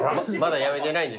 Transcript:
やめてないです。